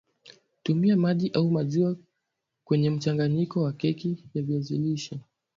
Tumia maji au maziwa kwenyemchanganyiko wa keki ya viazi lishe